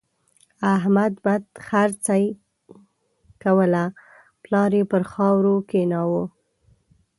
احمد بدخرڅي کوله؛ پلار يې پر خاورو کېناوو.